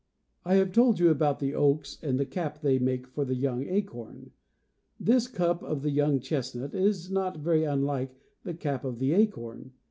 I have told you about the oaks and the cap they make for the young acorn. This cup of the young chestnut is not very unlike the cap of the acorn.